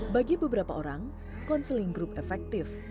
bagi beberapa orang konseling group efektif